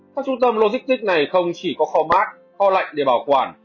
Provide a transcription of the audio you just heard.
các trung tâm logistic này không chỉ có kho bát kho lạnh để bảo quản